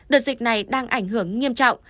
đợt dịch này đang ảnh hưởng nghiêm trọng